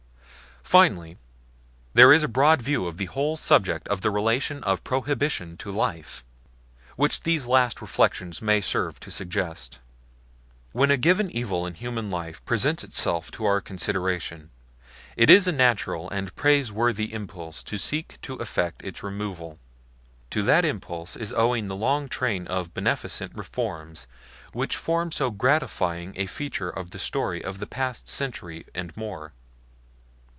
Finally, there is a broad view of the whole subject of the relation of Prohibition to life, which these last reflections may serve to suggest. When a given evil in human life presents itself to our consideration, it is a natural and a praiseworthy impulse to seek to effect its removal. To that impulse is owing the long train of beneficent reforms which form so gratifying a feature of the story of the past century and more.